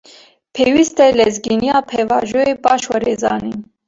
Pêwîst e lezgîniya pêvajoyê, baş were zanîn